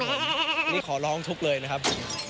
อันนี้ขอร้องทุกข์เลยนะครับผม